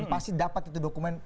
pasti dapat itu dokumen